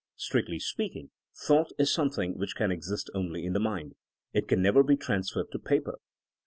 Strictly speaking, thought*' is something which can exist only in the mind. It can never be transferred to paper.